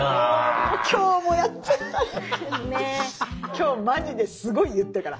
今日マジですごい言ったから。